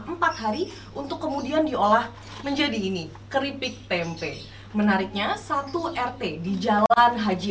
empat hari untuk kemudian diolah menjadi ini keripik tempe menariknya satu rt di jalan haji